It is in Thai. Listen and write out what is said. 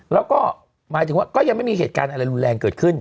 แล้วก็หมายถึงว่าก็ยังไม่มีเหตุการณ์อะไรรุนแรงเกิดขึ้น